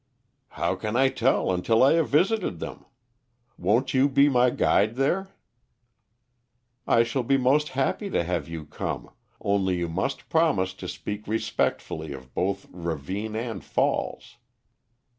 "How can I tell until I have visited them? Won't you be my guide there?" "I shall be most happy to have you come, only you must promise to speak respectfully of both ravine and falls."